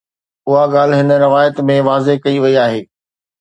اها ڳالهه هن روايت ۾ واضح ڪئي وئي آهي